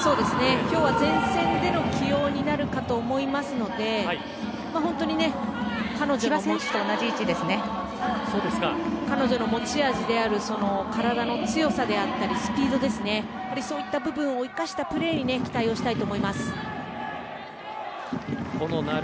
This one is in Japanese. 今日は前線での起用になるかと思いますので本当に彼女の持ち味である体の強さであったりスピードそういった部分を生かしたプレーに期待したいと思います。